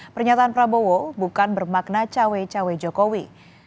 pernyataan prabowo bukan bermakna cawe cawe jokowi